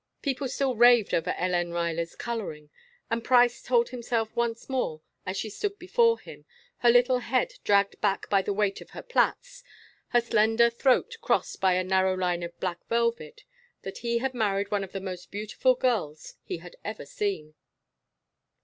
People still raved over Hélène Ruyler's "coloring," and Price told himself once more as she stood before him, her little head dragged back by the weight of her plaits, her slender throat crossed by a narrow line of black velvet, that he had married one of the most beautiful girls he had ever seen.